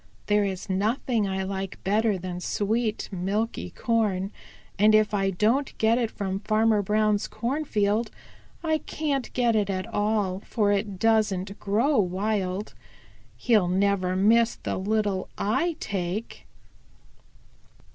"There is nothing I like better than sweet, milky corn, and if I don't get it from Farmer Brown's cornfield, I can't get it at all, for it doesn't grow wild. He'll never miss the little I take."